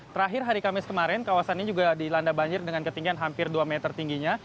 terakhir hari kamis kemarin kawasan ini juga dilanda banjir dengan ketinggian hampir dua meter tingginya